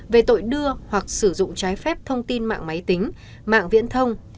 về tội đưa hoặc sử dụng trái phép thông tin mạng máy tính mạng viễn thông